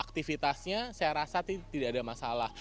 aktivitasnya saya rasa tidak ada masalah